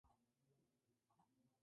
El juego presenta varias historias.